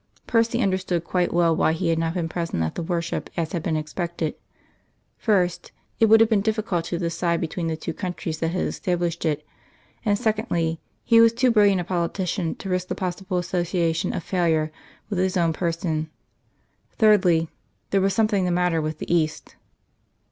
Percy understood quite well why he had not been present at the worship as had been expected. First, it would have been difficult to decide between the two countries that had established it; and, secondly, he was too brilliant a politician to risk the possible association of failure with his own person; thirdly, there was something the matter with the East.